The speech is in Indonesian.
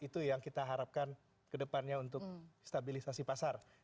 itu yang kita harapkan ke depannya untuk stabilisasi pasar